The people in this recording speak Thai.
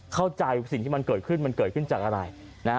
เข้าใจสิ่งที่มันเกิดขึ้นมันเกิดขึ้นจากอะไร